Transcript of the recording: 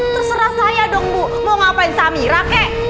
terserah saya dong bu mau ngapain samira kek